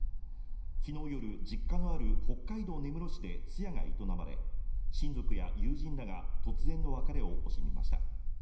昨日夜、実家のある北海道根室市で通夜が営まれ親族や友人らが突然の別れを惜しみました。